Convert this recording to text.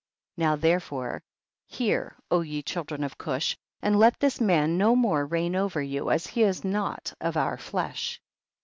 6. Now therefore hear, ye child ren of Cush, and let this man no more reign over you as he is not of our flesh.